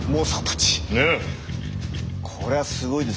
これはすごいですね。